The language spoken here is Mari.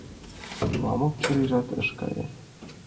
Мамык чурийжат ыш кае